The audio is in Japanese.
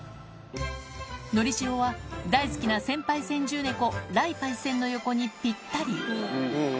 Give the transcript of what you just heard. のりしおは大好きな先輩先住猫、雷パイセンの横にぴったり。